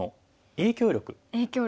影響力。